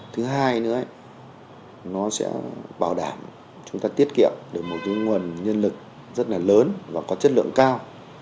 thứ hai nữa nó sẽ bảo đảm chúng ta tiết kiệm được một nguồn nhân lực rất là lớn và có chất lượng cao